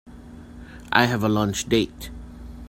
I have a lunch date.